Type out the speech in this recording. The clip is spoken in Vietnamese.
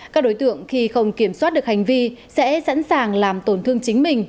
các đối tượng khi không kiểm soát được hành vi sẽ sẵn sàng làm tổn thương chính mình